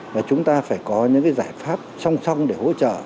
và chúng ta phải có những giải pháp song song để hỗ trợ